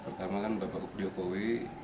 pertama kan bapak jokowi